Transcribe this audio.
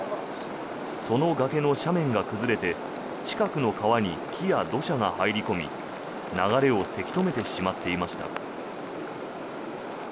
その崖の斜面が崩れて近くの川に木や土砂が入り込み流れをせき止めてしまっていました。